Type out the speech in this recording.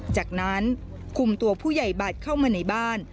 จากนั้นคุมตัวผู้ใหญ่บัตรเข้ามาในบ้าน